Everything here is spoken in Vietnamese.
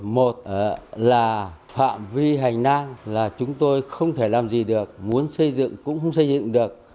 một là phạm vi hành lang là chúng tôi không thể làm gì được muốn xây dựng cũng không xây dựng được